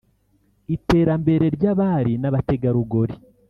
iterambere ry’abari n’abategarugori